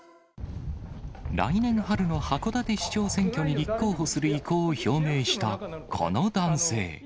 来年春の函館市長選挙に立候補する意向を表明したこの男性。